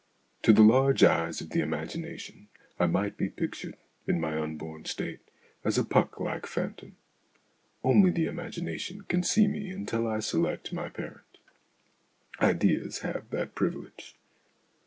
To the large eyes of the imagination I might be pictured, in my unborn state, as a Puck like phantom ; only the imagination can see me until I select my parent. Ideas have that privilege.